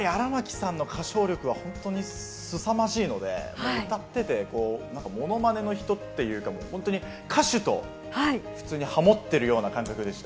歌唱力がすさまじいので、歌っていてものまねの人っていうか、歌手と普通にハモっているような感覚でした。